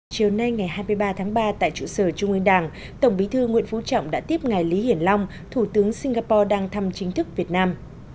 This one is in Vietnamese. chiều nay ngày hai mươi ba tháng ba tại trụ sở trung ương đảng tổng bí thư nguyễn phú trọng đã tiếp ngài lý hiển long thủ tướng singapore đang thăm chính thức việt nam